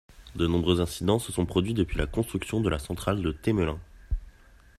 De nombreux incidents se sont produits depuis la construction de la centrale de Temelín.